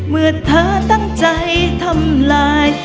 เมื่อเธอตั้งใจทำลาย